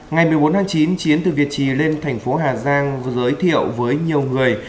ngày một mươi bốn tháng chín chiến từ việt trì lên thành phố hà giang giới thiệu với nhiều người